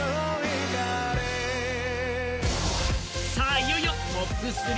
いよいよトップ３。